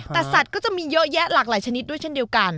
แต่สัตว์ก็จะมีเยอะแยะหลากหลายชนิดด้วยเช่นเดียวกัน